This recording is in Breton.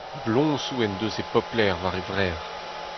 Bloñsoù en deus e pep lec'h war e vrec'h.